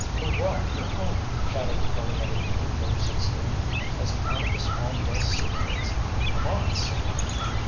"Hurrah for home!" shouted a curly headed youth of sixteen, as he caught up a small dress suit case. "Come on, Sam."